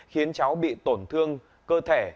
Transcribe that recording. khiến cháu bị tổn thương cơ thể